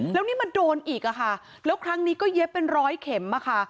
แล้วนี่มาโดนอีกอะค่ะแล้วครั้งนี้ก็เย็บเป็นร้อยเข็มค่ะ